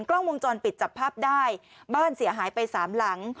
กล้องวงจรปิดจับภาพได้บ้านเสียหายไปสามหลัง